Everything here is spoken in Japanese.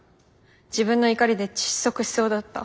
自分の怒りで窒息しそうだった。